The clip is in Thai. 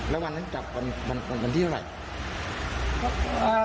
แล้ววันนั้นจับก่อนที่เมื่อไหม